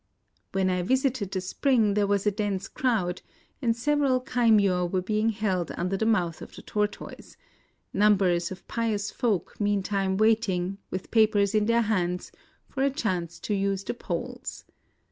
When I visited the spring there was a dense crowd ; and several kaimyo were being held under the mouth of the tortoise ;— numbers of pious folk meantime waiting, with papers in their hands, for a chance to use the poles.